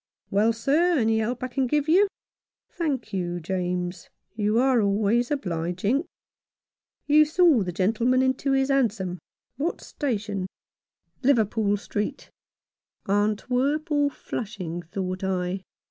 " Well, sir, any help I can give you " "Thank you, James. You are always obliging. You saw the gentleman into his hansom — what station ?" "Liverpool Street." Antwerp or Flushing, thought I.